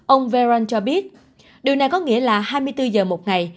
ông veron cho biết điều này có nghĩa là hai mươi bốn giờ một ngày